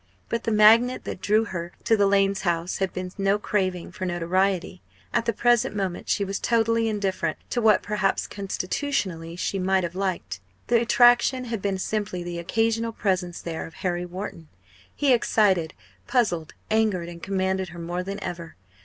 But the magnet that drew her to the Lanes' house had been no craving for notoriety; at the present moment she was totally indifferent to what perhaps constitutionally she might have liked; the attraction had been simply the occasional presence there of Harry Wharton. He excited, puzzled, angered, and commanded her more than ever.